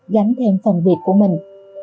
gánh thêm phần việc của mình